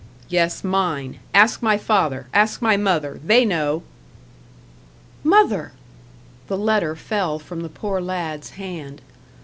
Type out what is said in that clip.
"Yes, mine. Ask my father ask my mother. They know." "Mother!" the letter fell from the poor lad's hand.